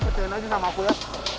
dia omilin minum ya